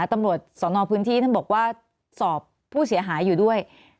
ตำรวจสนพื้นที่ท่านบอกว่าสอบผู้เสียหายอยู่ด้วย